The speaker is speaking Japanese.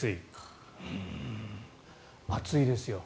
暑いですよ。